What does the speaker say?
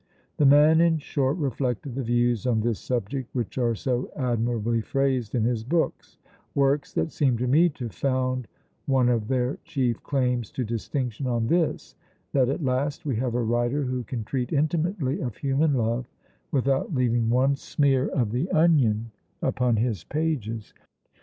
The man, in short, reflected the views on this subject which are so admirably phrased in his books, works that seem to me to found one of their chief claims to distinction on this, that at last we have a writer who can treat intimately of human love without leaving one smear of the onion upon his pages."